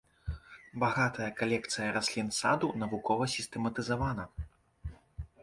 Багатая калекцыя раслін саду навукова сістэматызавана.